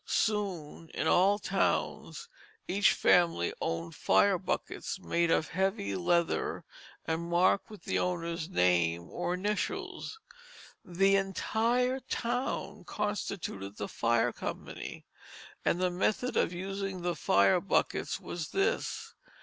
Soon in all towns each family owned fire buckets made of heavy leather and marked with the owner's name or initials. The entire town constituted the fire company, and the method of using the fire buckets was this.